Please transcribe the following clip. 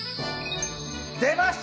出ました